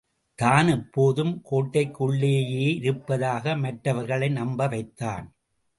தான் எப்போதும் கோட்டைக்குள்ளேயே இருப்பதாக மற்றவர்களை நம்பவைத்தான்.